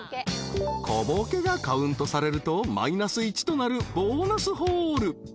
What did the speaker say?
［小ボケがカウントされるとマイナス１となるボーナスホール］